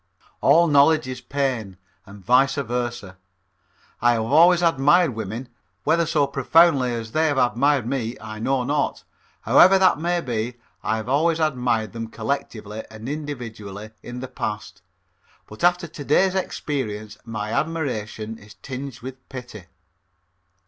All knowledge is pain and vice versa. I have always admired women; whether so profoundly as they have admired me I know not; however that may be, I have always admired them collectively and individually in the past, but after today's experience my admiration is tinged with pity.